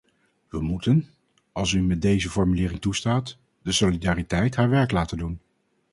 We moeten, als u me deze formulering toestaat, de solidariteit haar werk laten doen.